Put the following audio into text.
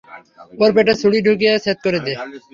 ওর পেটে ছুড়ি ঢুকিয়ে ছেদ করে দে!